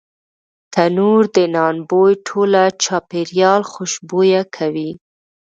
تنور د نان بوی ټول چاپېریال خوشبویه کوي